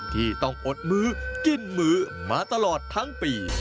ที่ต้องอดมื้อกินมื้อมาตลอดทั้งปี